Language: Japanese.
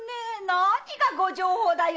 何がご定法だよ！